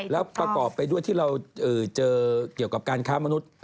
แล้วประกอบไปด้วยที่เราเจอเกี่ยวกับการค้ามนุษย์